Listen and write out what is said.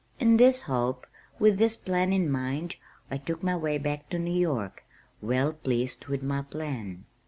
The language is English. In this hope, with this plan in mind, I took my way back to New York, well pleased with my plan.